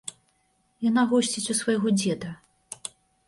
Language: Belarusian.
Яна госціць у свайго дзеда.